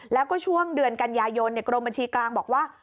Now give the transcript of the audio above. แล้วก็ช่วงเดือนกันยายนกรมบัญชีกลางบอกว่า